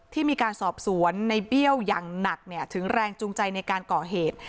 ที่มีการสอบสวนในเบี้ยวอย่างหนักถึงแรงจูงใจในการก่อเหตุ